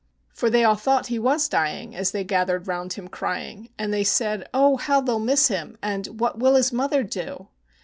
For they all thought he was dying, as they gathered round him crying, And they said, "Oh, how they'll miss him!" and, "What will his mother do?"